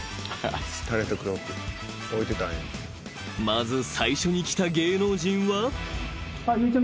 ［まず最初に来た芸能人は］